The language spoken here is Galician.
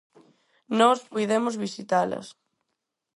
Nós puidemos visitalas.